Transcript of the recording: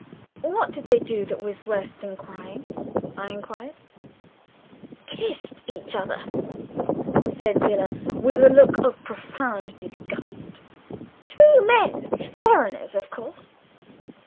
"What did they do that was worse than crying?" I inquired. "Kissed each other!" said Zillah, with a look of profound disgust. "Two men! Foreigners, of course."